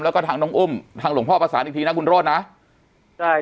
แล้วก็ทางน้องอุ้มทางหลวงพ่อประสานอีกทีนะคุณโรธนะใช่